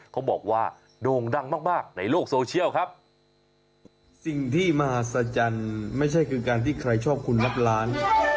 เขาบอกว่าโด่งดังมากมากในโลกโซเชียลครับสิ่งที่มหัศจรรย์ไม่ใช่คือการที่ใครชอบคุณนับล้าน